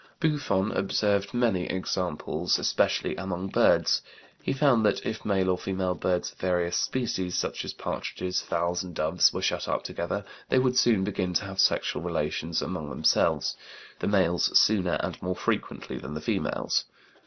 Buffon observed many examples, especially among birds. He found that, if male or female birds of various species such as partridges, fowls, and doves were shut up together, they would soon begin to have sexual relations among themselves, the males sooner and more frequently than the females.